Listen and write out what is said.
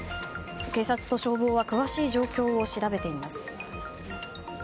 警察と消防は詳しい状況を調べています。